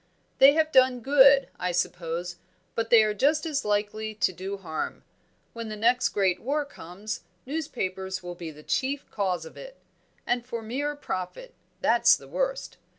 They have done good, I suppose, but they are just as likely to do harm. When the next great war comes, newspapers will be the chief cause of it. And for mere profit, that's the worst.